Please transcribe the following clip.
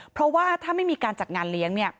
เพราะว่าถ้าไม่มีการจัดงานเลี้ยง